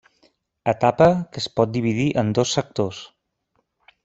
Etapa que es pot dividir en dos sectors.